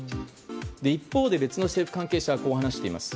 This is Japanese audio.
一方で別の政府関係者はこう話しています。